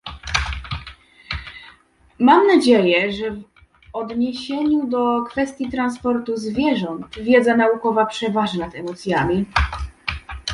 mam nadzieję, że w odniesieniu do kwestii transportu zwierząt wiedza naukowa przeważy nad emocjami